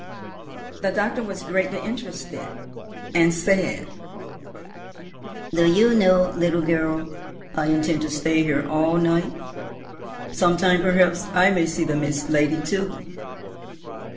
The doctor was greatly interested, and said, "Do you know, little girl, I intend to stay here all night, sometime; perhaps I may see the Mist Lady too."